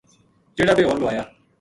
چِڑا بے ہور لوایا